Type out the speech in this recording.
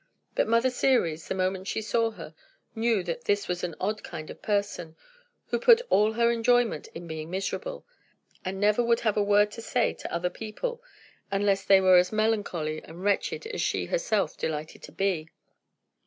But Mother Ceres, the moment she saw her, knew that this was an odd kind of a person, who put all her enjoyment in being miserable, and never would have a word to say to other people, unless they were as melancholy and wretched as she herself delighted to be.